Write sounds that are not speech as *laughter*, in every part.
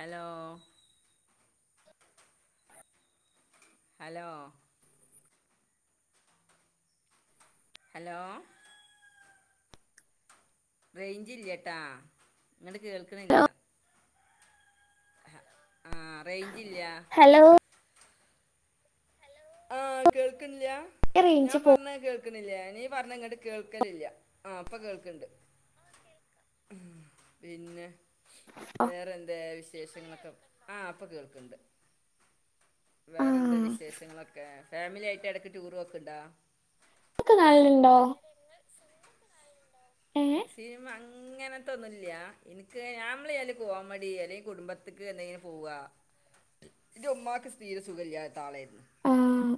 Hello hello hello range ഇല്ലേട്ടാ നിങ്ങട്ട് കേൾക്കണില്ല ഹലോ ആ റയ്ഞ്ച് ഇല്ല ഹലോ ആഹ് കേൾക്ൻല്യ റേഞ്ച് ഞാൻ പോ പറഞ്ഞ കേ ക്ണില്യേ നീ പറഞ്ഞങ്ങട്ട് കേൾക്കലില്ല ആഹ് പ്പ കേൾക്ണ്ട് പിന്നെ വേറെ എന്താ വിശേഷങ്ങളൊക്കെ ആഹ് പ്പൊ കേൾക്ണ്ട് ആ വേറെന്താ വിശേഷങ്ങളൊക്കെ ഫാമിലി ആയിട്ട് ഇടയ്ക്ക് ടൂറോക്ണ്ടോ ക് നല്ണ്ടോ. ഏ സിനിമങ്. ഇങ്ങനത്തെന്നുല്ല എനിക്ക് ഞാമ്മളെല് കോമഡി അല്ലെങ്കിൽ കുടുംബത്തിക്ക് എന്തെ പോവ. *inaudible* ഇന്റ ഉമ്മാക്ക് തീര സുഖല്ലാത്ത ആളയിരുന്നു. ഉം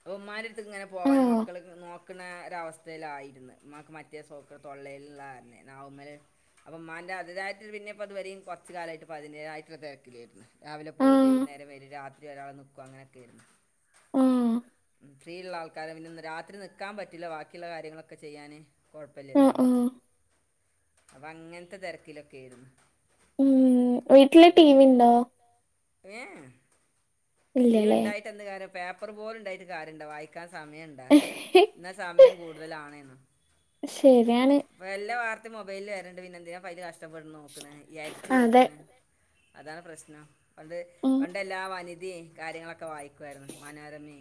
പ്പ ഉമ്മാൻന്റെടുത്ത് ഇങ്ങനെ പോവാനും മക്കൾ നോക്കുന്ന ഒര അവസ്ഥയിലായിരുന്നു ഉമാക്ക് മ മറ്റേ സൂക്കട് തൊള്ളൽള്ള കാരണയ് നാവവ്മൽ. അപ്പൊമാന്റെ അതിതായിട്ട് പിന്നെപ്പോ ഇത് വരീം കുറച്ച് കാലായിട്ട ഇപ്പൊ അതിന്റേതായിട്ട്ള്ള തിരക്കിലായിരുന്നു. രാവിലെ ആ പോവും വൈകുന്നേരം വരും രാത്രി ഒരാൾ നിൽക്കും അങ്ങനൊക്കെ ആയിരുന്നു. ഉം ഫ്രീ ഉള്ള ആൾക്കാര പിന്ന രാത്രി നിക്കാൻ പറ്റില്ല ബാക്കിയുള്ള കാര്യങ്ങളൊക്കെ ചെയ്യാന്. കുഴപ്പില്ലല്ലേ ആ നമ്മുക്ക് അപ്പൊ അങ്ങൻത്തെ തിരക്കിലൊക്കെ ഏരുന്നു. ഉം വീട്ടില് ഏഹ് ടി വി ഉണ്ടോ ഏഹ് ടിവി ഇല്ലല്ലേ ഉണ്ടായിട്ടന്ത് കാര്യം പേപ്പർ പേലുണ്ടായിട് കാര്യണ്ടോ വായിക്കാൻ സമയം ണ്ടോ ഇന്ന സമയം കൂടുതലാണെനും. ശരിയാണ്. ഇപ്പ എല്ലാ വാർത്തയും മൊബൈലിൽ വരണണ്ട് പിന്നെ എന്തിനാ പയ്ല് കഷ്ടപ്പെട്ട് നോക്കണ ഈ അരിച്ചു അതെ പെർക്കണ്. അതാണ് പ്രശ്നം പണ്ട് ഉം പണ്ട് എല്ലാ വനിതയും കാര്യങ്ങളൊക്കെ വായിക്കുവായിരുന്നു മനോരമയും.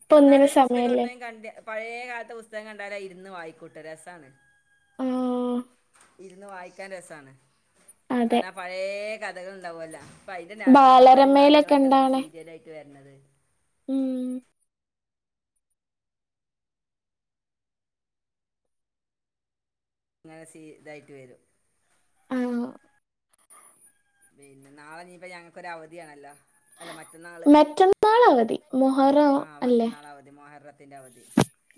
ഇപ്പൊ ഇപ്പ ഒന്നിനും നാലൊരു പുസ്തകം സമയല്ലേ എവിടുന്നലും കണ്ട പഴയ കാലത്തെ പുസ്തകം കണ്ടാല ഇരുന്നു വായിക്കൂട്ട് രസണ്. ആ ഇരുന്ന് വായിക്കാൻ രസാണ് അതെ കാരണം പയേ കഥകൾ ഉണ്ടാവല്ല. പ്പഅയ്ന്റെ നോവലും ബാലരമയിലൊക്കെ കാര്യങ്ങളൊക്കെ ല്ല ഇപ്പോ ഇണ്ടാവണേ സീരിയലായിട്ട് വരണത്. ഉം ങ്ങനെ സീ ഇതായിട്ട് വരും. ആഹ് പിന്നെ നാളെ ഞ്ഞിപ്പ ഞങ്ങക്ക് ഒരു അവധിയാണല്ലോ. അല്ല മറ്റന്നാള് മറ്റന്നാൾ അവധി മുഹറം ആഹ് അല്ലേ മറ്റന്നാൾ അവതി മൊഹർറത്തിന്റെ അവധി.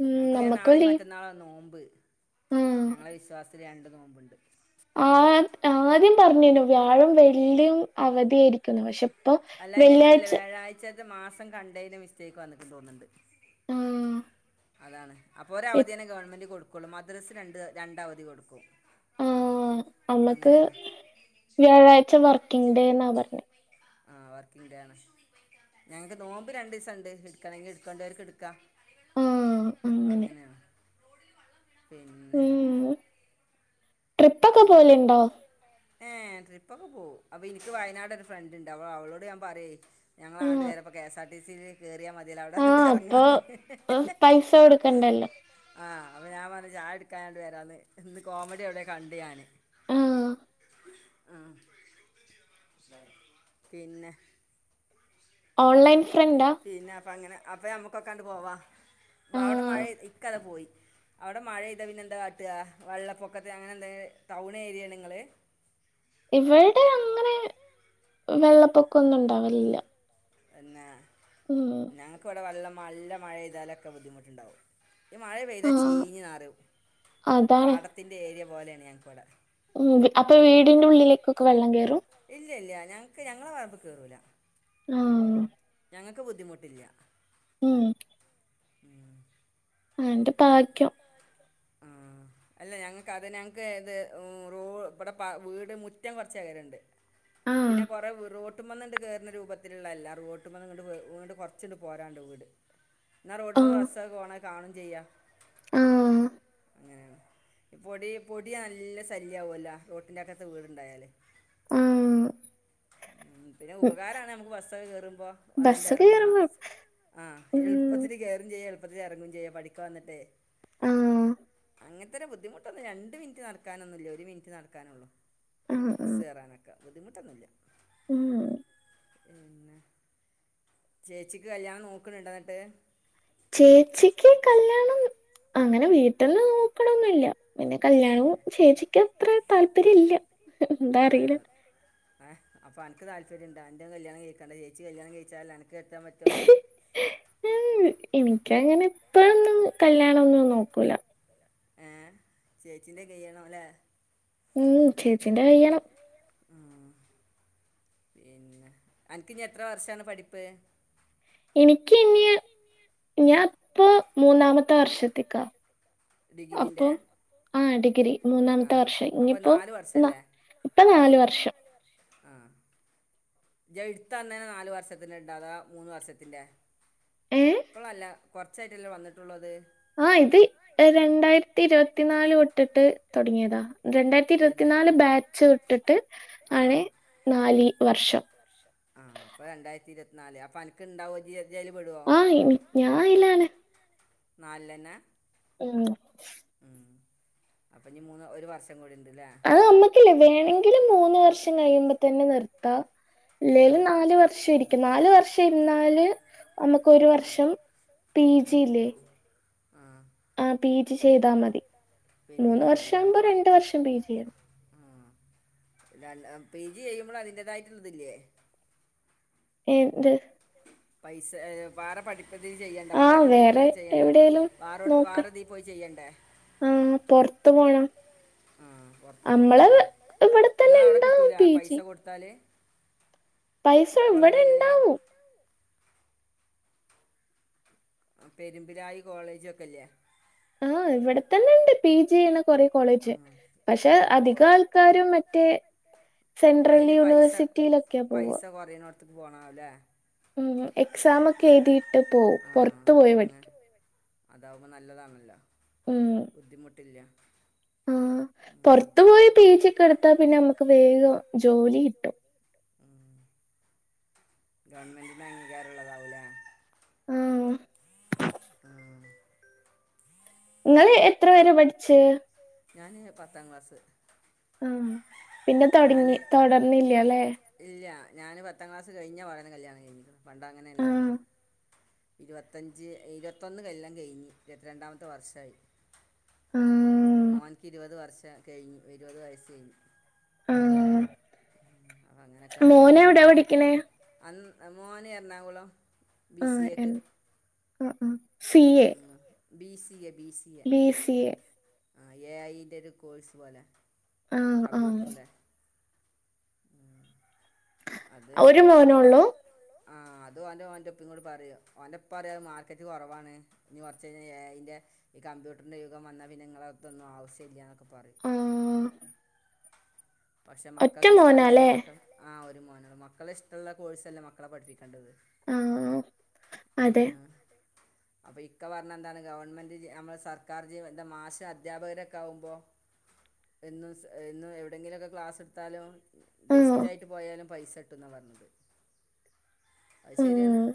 ഉം ഞങ്ങക്ക് നമ്മക്കും നാളി ലീവ് മറ്റന്നാളാ നോമ്പ് ആ ഞങ്ങളെ വിശ്വാസത്തില് രണ്ട് നോമ്പുണ്ട്. ആഹ് ആദ്യം പറഞ്ന്നു വ്യാഴം വെള്ളിയും അവധിയായിരിക്കുന്നു പക്ഷെ. പ്പൊ വെള്ളിയാഴ്ച. ചെൽത് മാസം കണ്ടേന് മിസ്റ്റേക്ക് വന്നിട്ട് തോന്നുണ്ട്. ആ അതാണ് അപ്പൊ ഒര ഇ- അവധിയന്നെ ഗവൺമെന്റ് കൊടുക്കുള്ളൂ മദ്രസ് രണ്ട് രണ്ട അവധി കൊടുക്കും. നമ്മക്ക് അങ്ങനെയാണ് വ്യാഴാഴ്ച വർക്കിംഗ് ഡേ എന്നാ പറഞ്ഞ ആഹ് വർക്കിംഗ് ഡേ ആണ്. ഞങ്ങക്ക് നോമ്പ് രണ്ടു ദിവസം ഉണ്ട് ഇടുക്കണെങ്കി എടുക്കണ്ടവർക്ക് എടുക്കാ. ആ അങ്ങനെ അങ്ങനെയാണ് പിന്നെ. ഉം ട്രിപ്പൊക്കെ പിന്നെ. പോലുണ്ടോ ഏഹ് ട്രിപ്പ് ഒക്കെ പോവും അപ്പൊ എനിക്ക് വയനാട് ഒരു ഫ്രണ്ട്ണ്ട് അവളോട് ഞാൻ പറയ. ആ ഞങ്ങളാണ്ട് വരെപ്പ കെ എസ് ആർ ടിസിൽ കയറിയാ മതില്ല ആ അവിടെന്നിട്ട് അപ്പൊ ഇറങ്ങാന്ന്. ഉം, പൈസ കൊടുക്കണ്ടല്ലോ. ആഹ് അപ്പൊ ഞാൻ പറഞ്ഞുചായുടിക്കാനാണ്ട് വരാന്ന് ഇന്ന് കോമഡി എവിടെയ കണ്ടു ഞാന്. ആഹ്. ആഹ് പിന്നെ ഓൺലൈൻ ഫ്രൻഡാ. പിന്നെ അപ്പ അങ്ങനെ അപ്പ നമ്മുക്കൊക്കാണ്ട് പോവാ ആ അവിടെ മഴ ഇക്കതെ പോയി. അവിടെ മഴെയ്താ പിന്നെന്താ കാട്ട വെള്ളപ്പൊക്കത്തെ അങ്ങനെ എന്തയ് ടൗൺ ഏരിയാണ് നിങ്ങള്. ഇവടെ അങ്ങനെ വെള്ളപ്പൊക്കംന്നും ഉണ്ടാവലില്ല. തന്നെ ഉം ഞങ്ങൾക്കിവിടെ വെള്ളം നല്ല മഴെയ്താലൊക്കെ ബുദ്ധിമുട്ടുണ്ടാവും. മഴ ആ പെയ്താൽ ചീഞ്ഞ് നാറും അതാണ് പാടത്തിൻ്റെ ഏരിയ പോലെയാണ് ഞങ്ങൾക്ക് ഇവിടെ മ് അപ്പൊ വീടിന്റെ ഉള്ളിലേക്കൊക്കെ വെള്ളം കയറും ഇല്ല ഇല്ല ഞങ്ങൾക്ക് ഞങ്ങളെ പറമ്പ് കേറൂല്ല ആ ഓ ഞങ്ങക്ക് ബുദ്ധിമുട്ടില്ല ഉം മ് *inaudible* ന്റെ ഭാഗ്യം ആ അല്ല ഞങ്ങൾക്ക് അത് ഞങ്ങൾക്ക് ഇത് റോ ഇവടെ വീട് മുറ്റം കൊറച്ചെ കരണ്ട് ആ പിന്നെ കുറ വിറോ റോട്ടുമന്നണ്ട് കയറുന്ന രൂപത്തിലുള്ളല്ല റോട്ടുമന്നിങ്ങട്ട് കൊറച്ച് ങ്ങട്ട് പോരാണ്ട് വീട് ന്നാ റോട്ട് ആ മ്മന്ന് ബസ്സഒക്കെ പോണ കാണും ചെയ്യാ ആ പൊടി പൊടി നല്ല ശല്യയാവുല്ലോ റോട്ടിൻ്റെ അകത്ത് വീടുണ്ടായാൽ ആ മ് പിന്നെ ഉം, ഉപകാരമാണ് നമുക്ക് ബസ്സൊക്കെ കേറുമ്പോ വന്നിണ്ട് ബസ്സൊക്കെ ഇറങ്ങാം കേറുമ്പോ ആ ഉം, എളുപ്പത്തിൽ കെയറേംചെയ്യ എളുപ്പത്തിൽ ഇറങ്ങേം ചെയ്യാം പഠിക്കാ വന്നിട്ട് ആ ഇത്ര ഒരു ബുദ്ധിമുട്ടൊന്നുല്ല രണ്ട് മിനിറ്റ് നടക്കാനൊന്നുല്ല ഒരു മിനിറ്റ് നടക്കാനള്ളു ആ ആ, ബസ് കയറാനൊക്കെ ബുദ്ധിമുട്ടൊന്നുല്ല ഉം ചേച്ചിക്ക് കല്യാണം നോക്കുന്നുണ്ട എന്നിട്ട് ചേച്ചിക്ക് കല്യാണം അങ്ങനെ വീട്ടന്ന് നോക്കണൊന്നില്ല പിന്നെ കല്യാണവും ചേച്ചിക്ക് അത്ര താല്പര്യ ഇല്ല എന്താ അറിയില്ല ആ അപ്പോ അനക്ക് താല്പര്യ ണ്ടാ അ ന്റെകല്യാണം കഴിക്കണ്ട ചേച്ചി കല്യാണം കഴിച്ചാലല്ലേ അ നക്ക് കെട്ടാൻ പറ്റള്ളൂ ഉം എനിക്കങ്ങനെ പ്പോഴൊന്നും കല്യാന്നൊന്നും നോക്കൂല ഏ ചേച്ചീ്ന്റെ കയ്യണോല്ലേ മ്മ് ചേച്ചിന്റെ കയ്യണം ആ പിന്നെ അനക് ഇഞ എത്ര വർഷാണ് പഠിപ്പ് എനിക്ക് ഇനി ഞാൻപ്പൊ മൂന്നാമത്തെ വർഷത്തേക്കാ അപ്പൊ ഡിഗ്രീൻ്റെ ആ ഡിഗ്രി ആ മൂന്നാമത്തെ വർഷആയി അപ്പോൾ ഇനിപ്പോ നാല് എന്നാ വർഷമല്ലേ ഇപ്പ നാല് വർഷം ആ ഞ്ച എഴുത്തന്നേ നാല് വർഷത്തിന്ണ്ടാ അതോ മൂന്ന് വർഷത്തിൻ്റെ ഏ ഇപ്പോളല്ല കുറച്ചായിട്ടല്ലേ വന്നിട്ടുള്ളത് ആ ഇത് രണ്ടായിരത്തി ഇരുപത്തിനാല് തൊട്ടിട്ട് തുടങ്ങിയതാ രണ്ടായിരത്തി ഏത് ഇരുപത്തിനാല് ബാച്ച് വിട്ടിട്ട് ആണ് നാലിവർഷം വർഷം ആ അപ്പൊ രണ്ടായിരത്തി ഇരുപത്തിനാല് അപ്പൊ അനക്ക് ഇണ്ടാവോ ജീ അയില് പെടോ ആ ഇനി- ഞാൻ അതിലാണ് നാല്ന്നെ മ്മ് ഉം അപ്പൊ ഇനി മൂന്ന് ഒരു വർഷം കൂടി ഉണ്ട്ല്ലേ അത് നമ്മക്കില്ലേ വേണമെങ്കിലും മൂന്ന് വർഷം കഴിയുമ്പോ തന്നെ നിർത്താം ഇല്ലേലും നാല് വർഷം ഇരിക്ക നാല് വർഷം ഇരുന്നാല് നമ്മുക്ക് ഒരു വർഷം പി ജി ഇല്ലേ വാതിലടച്ചിട്ടോളൂ ആ ആ പി ജി ചെയ്താൽ മതി പി ജി മൂന്ന് ചെയ്താൽ മതി വർഷം ആകുമ്പോ അപ്പോൾ രണ്ട് വർഷം പി ജി ആണ് പി ജി ചെയ്യുമ്പോൾ അതിന്റേതായിട്ടുള്ളതില്ലേ ഏ ന്ത് പൈസേ വേറെ പഠിപ് പ്പതി ചെയ്യേണ്ട ആ വാറെ കോ വേറെ തിൽ ചെയ്യണ്ടേ എവിടെലും വേറെ വേറെതി പോയി ചെയ്യണ്ടേ മ് പൊറത്തു പോണം ആഹ് പൊർത്ത് പോണം നമ്മള് ല്ലേ ഇവിടെ തന്നെ ങ്ങളെ അവ്ടെ ഇണ്ടാവും കിട്ടൂല പി പൈസ ജി കൊടുത്താല് പൈസ ഇവിടെ ണ്ടാവൂ പെരുമ്പിലായി കോളേജ് ഒക്കെല്യേ ആ ഇവിടെത്തന്നെണ്ട് പി ജി ചെയ്യാണ കൊറേ ആ കോളേജ് പക്ഷെ പിന്നെ അതൊക്കെ പോ അധിക ആൾക്കാരും മറ്റേ സെൻട്രൽ യൂണിവേഴ്സിറ്റിയിലൊക്കെയാ പോവ ട്രെയ്നോട്ത്തക്ക് പോണോല്ലേ മ് എക്സാമൊക്കെ ഴുതിയിട്ട് പോവും പൊർത് പോയി പഠിക്കും അതാവുമ്പോ നല്ലതാണല്ലോ മ്മ് ബുദ്ധിമുട്ടില്യ ആ പൊർത്തു പോയി പി ജി ക്കെ ട്ത്താ പിന്ന മ്മക്ക് വേഗം ജോലി കിട്ടും ഗവൺമെന്റ ങ്ങീകാരള്ളതാവൂലേ ആഹ് ആഹ് ങ്ങള് എത്ര വെരെ പഠിച് ഞാന് പത്താം ക്ളാസ് ആഹ് പിന്നെ തോട്ങ്ങി തൊടർന്നില്ലല്ലേ ഇല്യ ഞാന് പത്താ ക്ളാസ് കഴിഞപാടെന്നെ കല്യാണം കഴിഞ്ഞിക്ണ് പണ്ടങ്ങനെ ആ ല്ലായിരുന്നോ ഇരുപത്തഞ്ച് ഇരുപതൊന്ന് കൊല്ലം കഴിഞ് ഇരുപത്റണ്ടാമത്തെ വർഷായി മ്മ്ഹ് മോൻക്ക് ഇരുപത് വർഷ കയ്ഞ് ഇരുപത് വയസ് കയ്ഞ് ആ അപ്പം അങ്ങനെയൊക്കെയാണ്ട് കഴിഞ്ഞു മോനവിടെ പോയി പഠിക്കണേ? അന്ന് മോന് എർണാകുളം ബി സി എ ക്ക് അ ആ C A B C A B C B C A ആ എ ഐ ന്റൊര് കോഴ്സ് പോലെ ആ ആ കമ്പ്യൂട്ടർന്റെ അത് ഒരു വ മോനുള്ളൂ ആഹ് അത് ഓന്റെ ഓന്റെ പ്പി കൂടി പറിം ഓൻന്റെറെപ്പറിം അത് മാർക്കറ്റ് കൊറവാണ് ഞ്ഞി കൊർചയ്ഞ എ ഐ ന്റെ ഈ കമ്പ്യൂട്ടർന്റെ യുഗം വന്നാ പിന്നെ ങ്ങളെതൊന്നും ആവസ്യല്ല്യ ന്നൊക്കെ പറിം ആ പഷെ ഒറ്റ മക്കക്ക് ഇഷ്ട്ടള്ളല്ലേ മോനാല്ലേ മക്ക ആഹ് ഒരു മോനൊള്ളു മക്കളെ ഷ്ട്ടള്ള കോഴ്സല്ലേ മക്കളെ പഠിപ്പിക്കേണ്ടത് ആഹ് അതെ അപ്പൊ ഇക്കെ പറഞ്ഞെന്താണ് ഗവൺമെന്റ് നമ്മളെ സർക്കാർ ജീം ന്ത മാഷ് അധ്യാപകരൊക്കാകുമ്പോ എന്നുംഎന്നു എവിടെങ്കിലൊക്കെ ക്ളാസ് ട്ത്താലും ആ ഗെസ്റ്റായിട്ട് പോയാലും പൈസ ട്ടും ന്നാ പർഞ്ഞത് അഹ് ശര്യാണ് ഉം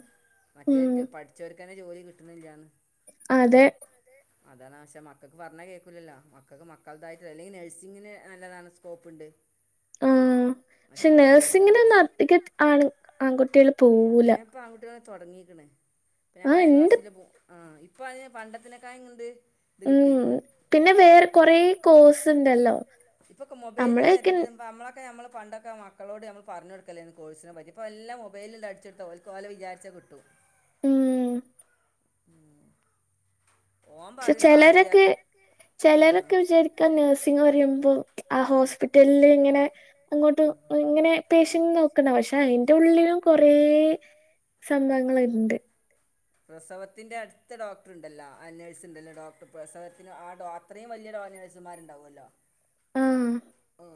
മറ്റേ ഉം പട്ചോർക്കെന്നെ ജോലി കിട്ട്ണില്ല്യാന്ന് അതെ അതാണ് ഷേ മക്കക്ക് പർഞ്ഞാ കേക്കൂലല്ലോ മക്കക്ക് മക്കൾതായിട്ട ല്ലെങ്കി നഴസിങ്ങിന് നല്ലതാണ് സ്കോപ്ണ്ട് ഷെ കേൾക്കണ്ടേ നഴ്സിങ്ങിനൊന്നും അധിക ആൺ ആൺകുട്യള് പോഊല പ്പാ ൺകുട്ടികള് തൊടങ്ങീക്ണ് പ്പ ആ ഉണ്ട് ഞങ്ങളയൽവാസി ല് പൂ ആഹ് ഇപ്പയ്ന് പണ്ടതെനിക്കായെങ്ങെണ്ട് ഉം പിന്നെ വേർ കൊറേ കോഴ്സ്ണ്ടല്ലോ അമ്മളോക്യെ പ്പ മ്മളൊക്കെ നമ്മള് പണ്ടൊക്കെ മക്കളോട് നമ്മ പർഞൊട്ക്കലേനി കോയ്സിന പറ്റി ഇപ്പോ എല്ലം മൊബൈല് അട്ചൊട്ത്ത ഓൽ കോല വിചാരിച്ച കിട്ടും ഉം ഉം പക്ഷെ ആ ചെലരൊക്കെ ആ ചെലരൊക്കെ വിചാരിക്കാ നഴ്സിങ് പറയുമ്പോൾ ആ ഹോസ്പിറ്റ് ട്ടെല്ലര് ഇങ്ങനെ അങ്ങോട്ട് ഇങ്ങനെ പേഷ്യൻ നോക്ന്ന പക്ഷെ അയിന്റെ ഉള്ളിലും കൊറേ സംഭവങ്ങൾ ഇണ്ട് പ്രസവത്തിന്റെ അടുത്ത ഡോക്ടർണ്ടല്ലോ ആ നഴ്സ് ഉണ്ടല്ലോ ഡോക്ടർ പ്രസവത്തിന് ആ ഡോക് ത്രേം വല്യോരോമ്നയ്സ്മാര്ണ്ടാവല്ലോ ആ മ്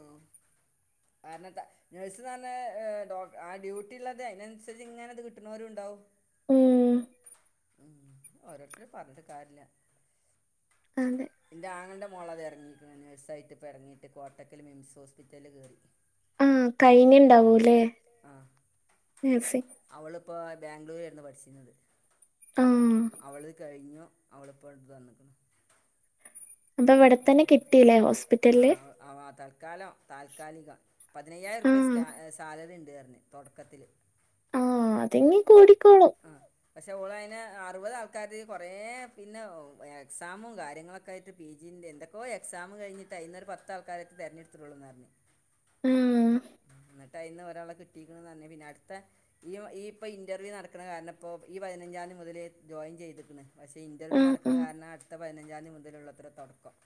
കാര്ണത നേഴ്സ്ന്നർഞ്ഞേയ് ഡോ ആഹ് ഡ്യൂട്ടി ഉള്ളത് അയിനൻസരിച്ച് ഇങ്ങനെത് കിട്ട്ണോരുന്നണ്ടാവും. ഉം ഉം ഓരോരുത്തരും പറഞ്ഞിട്ട് കാര്യല്ല അതെ ഇൻ്റെ ആങ്ങൾന്റെ മോള അത് ഇറങ്ങിയിരിക്കുന്നത് നഴ്സായിട്ട ഇപ്പോൾ ഇറങ്ങിയിട്ട് കോട്ടയ്ക്കല്കോട്ടക്കല് മിംസ് ഹോസ്പിറ്റലിൽ കയറി ആഹ് കഴിഞ്ഞിണ്ടാവുലെ ആ നഴ്സിംഗ് അവളിപ്പോൾ ബാംഗ്ലൂർ ആയിരുന്നു പഠിച്ചിരുന്നത്. ആ അവള് കഴിഞ്ഞു അവളിപ്പോ എടുത്തു തന്നേക്കുണ്. അപ്പൊ ഇവിടെത്തന്നെ കിട്ടില്ലേ ഹോസ്പിറ്റൽല് ആഹ്. തൽക്കാലം താൽക്കാലികം പതിനയ്യായിരം ആ റോപ്യ സാലറി ഉണ്ട് പറഞ്ഞു തൊട്ക്കത്തില് അതെങ്ങി കൂടിക്കോളൂ. ആഹ് പക്ഷേ ഓൾ അയിന് അറുപത് ആൾക്കാർത് കുറേ പിന്നെ എക്സാം കാര്യങ്ങളൊക്കെ ആയിട്ട് പി ജി ന്റെ എന്തൊക്കെയോ എക്സാം കഴിഞ്ഞിട്ട് അയിന് പത്താൾക്കാരെ തെരഞ്ഞെടുത്തിട്ടൊള്ളു എന്നർഞ്ഞു ഉം ഇന്നട്ട് അയിന്ന് ഒരാളെ കിട്ടിക്ക്‌ണ്ന്നർഞ് പിന്നെ അട്ത്തെ ഈ ഈ ഇപ്പൊ ഇന്റർവ്യൂ നടക്ക്‌ണ കാരണ ഇപ്പോ ഈ പതിനഞ്ചാന്തി മുതല് ജോയിൻ ചെയ്ത്ക്ക്‌ണ്. പക്ഷേ ആ ഇന്റർവ്യൂ ആ നടക്കുന്ന കാരണം അടുത്ത പതിനഞ്ചാതി മുതലുള്ളത്ര തുടക്കം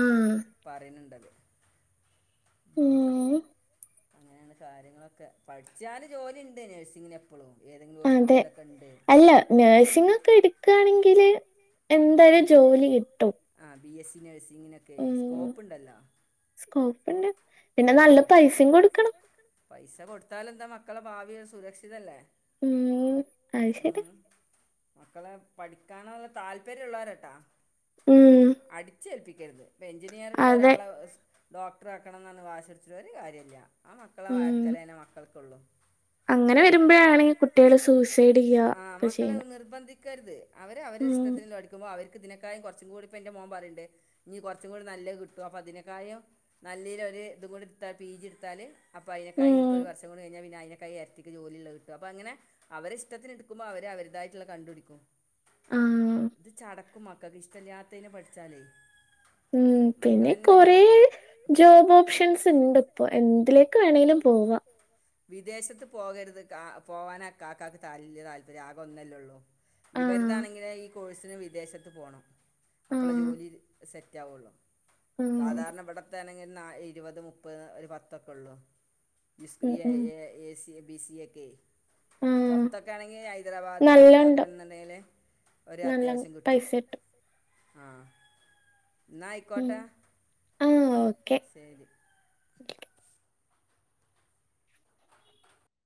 ആഹ് പറിണ് ണ്ടത് ഉം അങ്ങനെയാണ് കാര്യങ്ങളൊക്കെ പഠിച്ചാല് ജോലിണ്ട് നേഴ്സിങ്ങിനെ ഇപ്പളും ഏതെങ്കിലും അതെ ഹോസ്പിറ്റലിലൊക്കെ ഉണ്ട് അല്ല നഴ്സിംഗ് ഒക്കെ എടുക്കയാണെങ്കില് എന്തായാലും ജോലി കിട്ടും. ആഹ് ബി എസ് സി നഴ്സിങ്ങിന ക്കെ ഉം സ്കോപ്പ് ഉണ്ടല്ലോ. നല്ല സ്കോപ്പ്ണ്ട് പിന്നെ നല്ല പൈസയും പൈസിം കൊടുക്കണം പൈസ കൊടുത്താൽ എന്താ മക്കളെ ഭാവി സുരക്ഷിതല്ലേ. ഉം അത് ശരി ഉം മക്കളെ പഠിക്കാനുള്ള താല് താല്പര്യമുള്ളവരെട്ടാ. ഉം അടിച്ചേൽപ്പിക്കരുത് ഇപ്പൊ എഞ്ചിനീയർ ഉള്ള അതെ ഒരാളെ സ് ഡോക്ടർ ആകണമെന്ന് വാശി പിടിച്ചിട്ട് ഒരു കാര്യയല്ല. ആ മക്കളെ ഉം വാര്ക്കലേനെ മക്കൾക്കുള്ളൂ അങ്ങനെ വരുമ്പോൾ ആണ് കുട്ടികൾ സൂസൈഡ് ചെയ്യ ഒക്കെ ചെയ്യുന്നത് ക്കര്ത് അവരെ അവരെ ഇഷ്ടത്തിന്ല്ലെ പഠിക്കുമ്പോ അവർ ഇതിനെക്കായം കുറച്ചും കൂടി ഇപ്പൊ എന്റെറെ മോൻ പറിണ്ട് ഇനി കുറച്ചും നല്ല കിട്ടും അപ്പൊ അതിനെക്കായം നല്ലേനൊര് ഇതും കൂടി ഇട്താ പി ജി ഇട്ത്താല് അപ്പൊ അയിനക്കായി ഉം ഇൻക്കൊരു വർഷം കൊണ്ട് കഴിഞ്ഞാൽ പിന്നെ അയിനക്കായി എ തിക്ക് ജോലിള്ളെ കിട്ടും അപ്പൊ അങ്ങനെ അവരെ ഇഷ്ടത്തിന് ഇടുക്കുമ്പോ അവര് അവര്തായിട്ട്ള്ളെ കണ്ടുപിടിക്കും ആഹ് ഇത് ചടക്കും മക്കൾക്ക് ഇഷ്ടല്ലാത്തേനെ പഠിച്ചാലേ ഉം മക്കൾ പിന്നെ തന്നെ കൊറേ ചടക്കും ജോബ് ഓപ്ഷൻസ് ഇണ്ട് ഇപ്പോ എന്തിലേക്ക് വേണമെങ്കിലും പോവാം വിദേശത്ത് പോകരുത് പോവാന് കാക്കക്ക് വലിയ താല്പര്യം ആകെ ഒന്നല്ലേ ഉള്ളൂ ആഹ് ഇവരിതാണെങ്കില ഈ കോഴ്സിന് വിദേശത്ത് പോണം.. അപ്പോളെ ആഹ് ജോലി സെറ്റ് ആവുള്ളൂ ഉം സാധാരണ.. അവിടത്തേണെങ്കിൽ നാ. ഇരുപത് മുപ്പത് ഒരു പത്തൊക്കെ ഉള്ളൂ.. ജി സ്ഫ്രീ ഉം യായി ഉം എ എസി യെ. ബി സി എ കെ.. ആഹ് പുറത്തൊക്കെ ആണെങ്കിൽ ഹൈദരാബാദ് അങ്ങനത്തൊക്കെ നല്ലോണ്ട് ആണെന്നുണ്ടെങ്കില്.. ഒരു നല്ല അത്യാവശ്യം കിട്ടും.. പൈസ ആഹ്. ന്നാ ഉം ആയിക്കോട്ടെ ആഹ് ഓക്കെ ശരി..